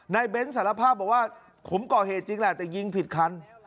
เบ้นสารภาพบอกว่าผมก่อเหตุจริงแหละแต่ยิงผิดคัน